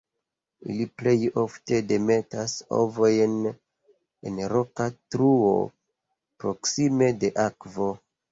Ili plej ofte demetas ovojn en roka truo proksime de akvo.